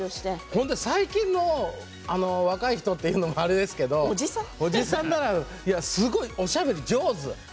本当に最近の若い人って言うのはあれですけどすごいおしゃれで上手。